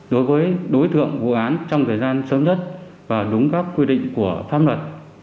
đối với đối tượng vụ án trong thời gian sớm nhất và đúng các quy định của pháp luật